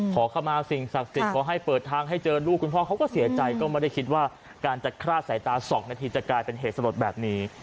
ขอเข้ามาสิ่งศักดิ์สิทธิ์ขอให้เปิดทางให้เจอลูกคุณพ่อเขาก็เสียใจก็ไม่ได้คิดว่าการจะคลาดสายตา๒นาทีจะกลายเป็นเหตุสลดแบบนี้